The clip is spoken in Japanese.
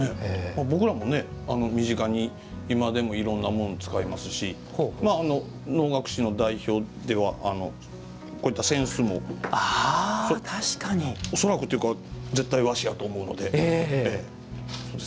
僕らも、身近に今でもいろんなものを使いますし能楽師の代表では、扇子も絶対、和紙やと思うので。